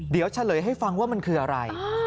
เดี๋ยวเฉลยให้ฟังว่ามันคืออะไร